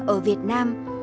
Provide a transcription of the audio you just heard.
ở việt nam